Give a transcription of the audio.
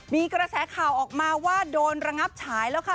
มีกระแสข่าวออกมาว่าโดนระงับฉายแล้วค่ะ